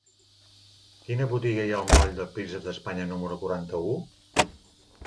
Quina botiga hi ha al moll del Príncep d'Espanya número quaranta-u?